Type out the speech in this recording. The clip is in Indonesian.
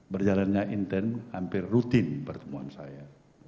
berjalannya intent hampir rutin pertemuan saya